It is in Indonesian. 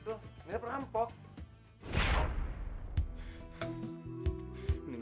pelitip dalam wan jamil